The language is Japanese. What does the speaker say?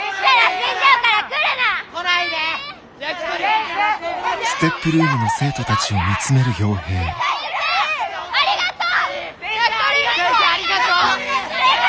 先生ありがとう！